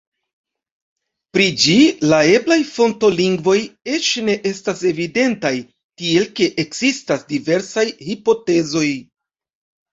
Pri ĝi la eblaj fonto-lingvoj eĉ ne estas evidentaj, tiel ke ekzistas diversaj hipotezoj.